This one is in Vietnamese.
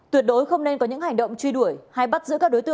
tuyệt đối không nên có những hành động truy đuổi hay bắt giữ các đối tượng